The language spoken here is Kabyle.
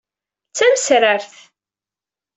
D tamesrart.